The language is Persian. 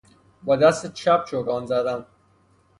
با دست چپ چوگان زدن